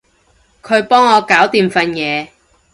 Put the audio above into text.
佢幫我搞掂份嘢